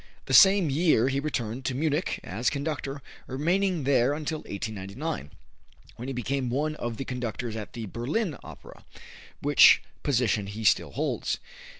The same year he returned to Munich as conductor, remaining there until 1899, when he became one of the conductors at the Berlin Opera, which position he still holds.